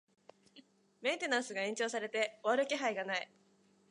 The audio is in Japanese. メンテナンスが延長されて終わる気配がない